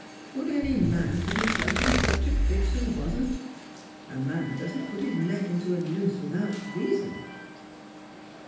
Would any man put himself in such a fix who wasn't 1 A man doesn't put his neck into a noose without reason.'